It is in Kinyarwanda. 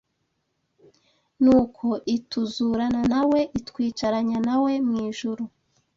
Nuko ituzurana na we, itwicaranya na we mu ijuru